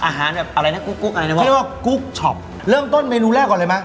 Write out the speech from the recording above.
อาหารแบบอะไรนะกุ๊กกุ๊กอะไรนะว่ากุ๊กชอบเรื่องต้นเมนูแรกอะไรมะ